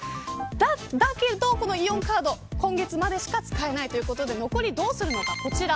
だけど、このイオンカード今月までしか使えないとのことで残りはこちら。